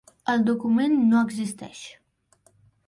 El document no existeix.